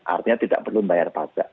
artinya tidak perlu membayar pajak